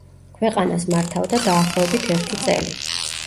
ქვეყანას მართავდა დაახლოებით ერთი წელი.